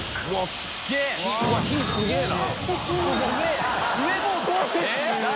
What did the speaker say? すげぇな。